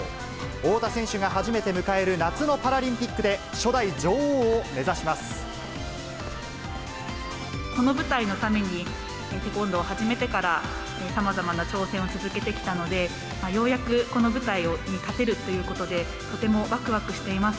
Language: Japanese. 太田選手が初めて迎える夏のパラリンピックで、初代女王を目指しこの舞台のためにテコンドーを始めてから、さまざまな挑戦を続けてきたので、ようやくこの舞台に立てるということで、とてもわくわくしています。